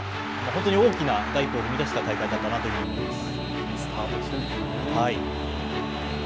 本当に大きな第一歩を踏み出した大会だったなと思います。